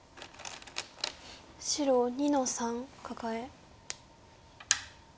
白２の三カカエ。